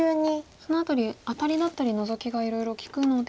その辺りアタリだったりノゾキがいろいろ利くので。